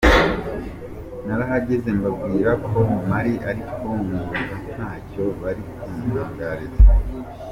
Narahageze mbabwira ko mpari ariko nkumva ntacyo bari kuntangariza.